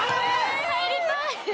入りたい！